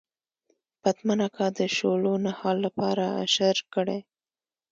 پتمن اکا د شولو نهال لپاره اشر کړی.